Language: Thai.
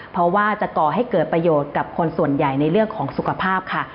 เพราะว่าจะก่อให้เกิดประโยชน์กับคนส่วนใหญ่ในเรื่องของสุขภาพค่ะ